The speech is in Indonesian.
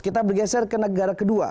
kita bergeser ke negara kedua